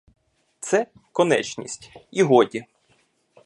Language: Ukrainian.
Це — конечність, і годі.